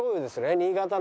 新潟のね